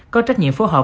có trách nhiệm phối hợp